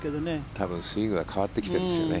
多分スイングが変わってきてるんですよね。